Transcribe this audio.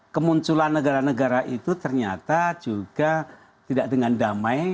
kemunculan negara negara itu ternyata juga tidak dengan damai